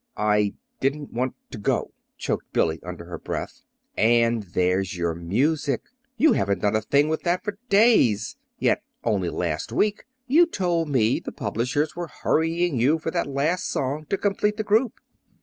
"I didn't want to go," choked Billy, under her breath. "And there's your music. You haven't done a thing with that for days, yet only last week you told me the publishers were hurrying you for that last song to complete the group."